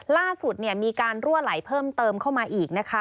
ล่าสุดมีการรั่วไหลเพิ่มเติมเข้ามาอีกนะคะ